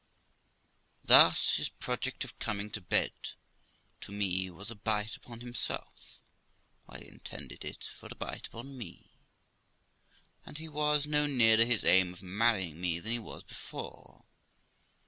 Thus his project of coming to bed to me was a bite upon himself, while he intended it for a bite upon me ; and he was no nearer his aim of marrying me than he was before.